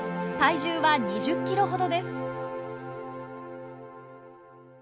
体重は２０キロほどです。